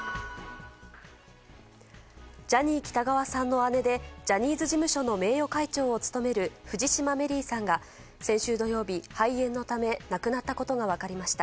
ジャニー喜多川さんの姉でジャニーズ事務所の名誉会長を務める藤島メリーさんが先週土曜日、肺炎のため亡くなったことが分かりました。